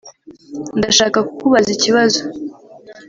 Ndashaka kukubaza ikibazo